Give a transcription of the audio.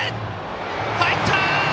入った！